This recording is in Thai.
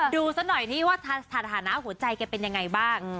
ดูซ้่อยถี่สถานะหัวใจแกเป็นยังไงบ้าง